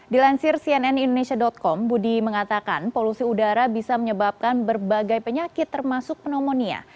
dilansir cnn indonesia com budi mengatakan polusi udara bisa menyebabkan berbagai penyakit termasuk pneumonia